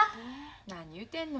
何言うてんの。